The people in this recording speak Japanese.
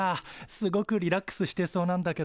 すごくリラックスしてそうなんだけど。